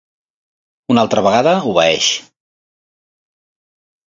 Una altra vegada obeeix.